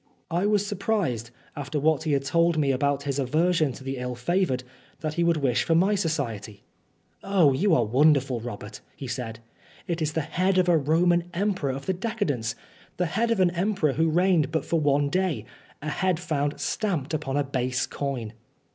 I was surprised, after what he had told me about his aversion to the ill favoured, that he should wish for my society. "Oh, you are wonderful, Robert," he said. "It is the head of a Roman emperor of the decadence the head of an emperor who reigned but for one day a head found stamped upon a base coin."